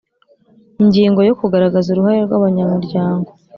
Ingingo yo Kugaragaza uruhare rw abanyamuryango